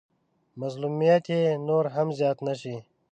مظلوميت يې نور هم زيات نه شي.